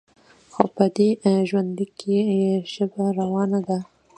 خو په دې ژوندلیک کې یې ژبه روانه ده.